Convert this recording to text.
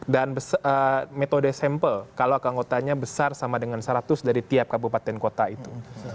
metode sampel kalau keanggotanya besar sama dengan seratus dari tiap kabupaten kota itu